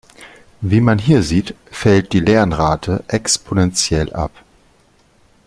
Wie man hier sieht, fällt die Lernrate exponentiell ab.